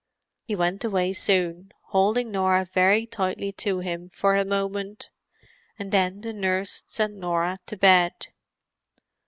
He went away soon, holding Norah very tightly to him for a moment; and then the nurse sent Norah to bed.